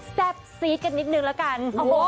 ซีดกันนิดนึงแล้วกัน